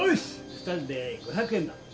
２人で５００円だ。